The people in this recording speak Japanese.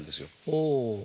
ほう。